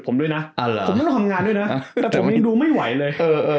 ผมจำหนึ่งดูไม่ไหวเลย